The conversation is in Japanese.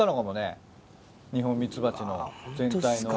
ニホンミツバチの全体の。